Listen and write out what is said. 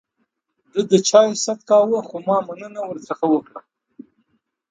ده د چای ست کاوه ، خو ما مننه ورڅخه وکړه.